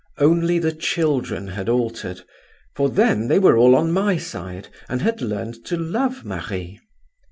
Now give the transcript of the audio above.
Only the children had altered—for then they were all on my side and had learned to love Marie.